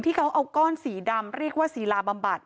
ที่เขาเอาก้อนสีดำเรียกว่าศิลาบำบัด